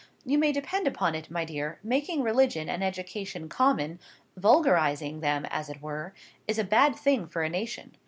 You may depend upon it, my dear, making religion and education common—vulgarising them, as it were—is a bad thing for a nation.